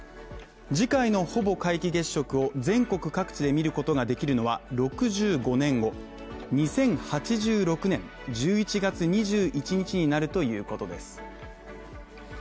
次回のほぼ皆既月食を全国各地で見ることができるのは６５年後、２０８６年１１月２１日になるということです。